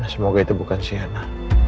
semoga itu bukan sienna